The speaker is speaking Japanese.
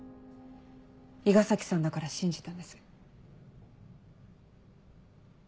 伊賀崎さんだから信じたんです。